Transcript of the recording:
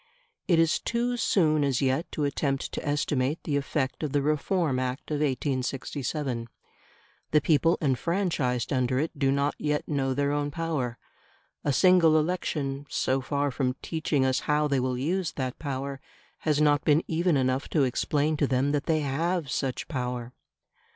It is too soon as yet to attempt to estimate the effect of the Reform Act of 1867. The people enfranchised under it do not yet know their own power; a single election, so far from teaching us how they will use that power, has not been even enough to explain to them that they have such power.